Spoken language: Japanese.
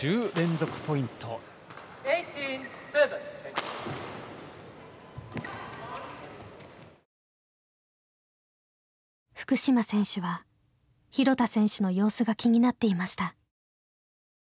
福島選手は廣田選手の様子が気になっていました。